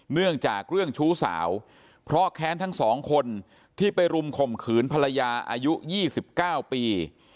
เนื่องจากเรื่องชู้สาวเพราะแค้นทั้งสองคนที่ไปรุมข่มขืนภรรยาอายุ๒๙ปี